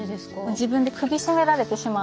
自分で首絞められてしまうので相手に。